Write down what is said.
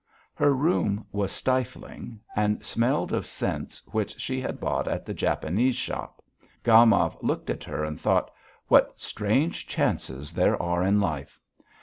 Her room was stifling, and smelled of scents which she had bought at the Japanese shop. Gomov looked at her and thought: "What strange chances there are in life!"